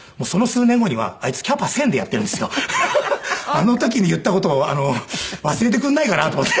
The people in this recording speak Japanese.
あの時に言った事を忘れてくんないかなと思って。